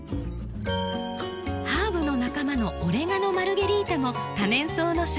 ハーブの仲間のオレガノマルゲリータも多年草の植物。